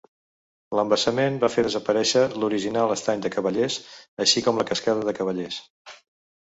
L'embassament va fer desaparèixer l'original Estany de Cavallers així com la Cascada de Cavallers.